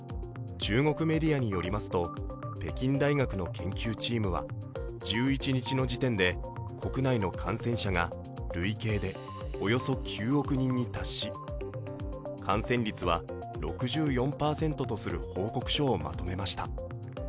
中国メディアによりますと、北京大学の研究チームは１１日の時点で国内の感染者が累計でおよそ９億人に達し、感染率は６４％とする報告書をまとめました。